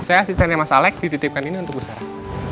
saya asistennya mas alec dititipkan ini untuk bu sarah